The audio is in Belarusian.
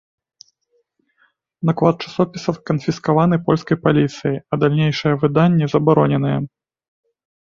Наклад часопіса канфіскаваны польскай паліцыяй, а далейшае выданне забароненае.